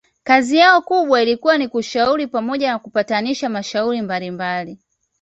kazi yao kubwa ilikuwa ni kushauri pamoja na kupatanisha mashauri mbalimbali